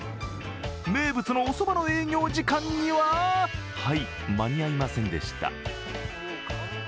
名物のおそばの営業時間には間に合いませんでした。